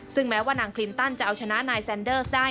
ซึ่งแม้ว่านางคลินตันจะเอาชนะนายแซนเดอร์สได้